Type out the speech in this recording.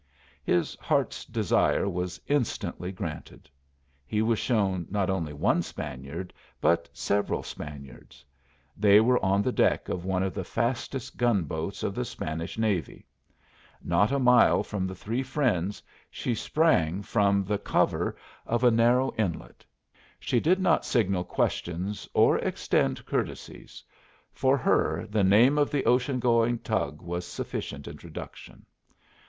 His heart's desire was instantly granted. He was shown not only one Spaniard, but several Spaniards. They were on the deck of one of the fastest gun boats of the Spanish navy. Not a mile from The Three Friends she sprang from the cover of a narrow inlet. She did not signal questions or extend courtesies. For her the name of the ocean going tug was sufficient introduction.